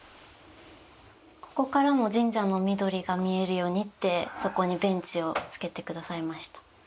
ここからも神社の緑が見えるようにってそこにベンチをつけてくださいました。